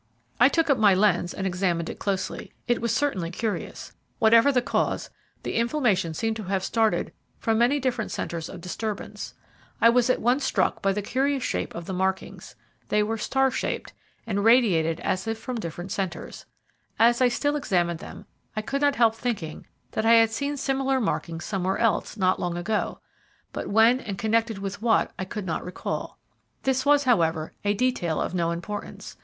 I took up my lens and examined it closely. It was certainly curious. Whatever the cause, the inflammation seemed to have started from many different centres of disturbance. I was at once struck by the curious shape of the markings. They were star shaped, and radiated as if from various centres. As I still examined them, I could not help thinking that I had seen similar markings somewhere else not long ago, but when and connected with what I could not recall. This was, however, a detail of no importance.